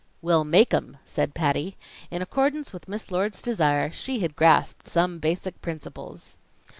"We'll make 'em!" said Patty. In accordance with Miss Lord's desire, she had grasped some basic principles.